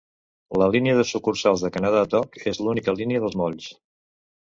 La línia de sucursals de Canada Dock és l'única línia dels molls.